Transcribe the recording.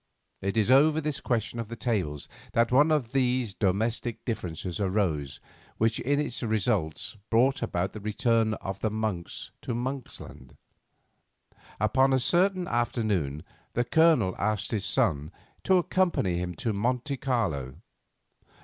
It is over this question of the tables that one of these domestic differences arose which in its results brought about the return of the Monks to Monksland. Upon a certain afternoon the Colonel asked his son to accompany him to Monte Carlo.